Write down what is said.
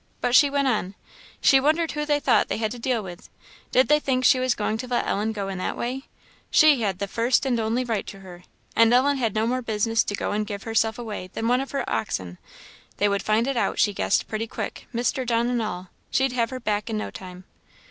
But she went on. "She wondered who they thought they had to deal with: did they think she was going to let Ellen go in that way? she had the first and only right to her; and Ellen had no more business to go and give herself away than one of her oxen; they would find it out, she guessed, pretty quick; Mr. John and all; she'd have her back in no time!"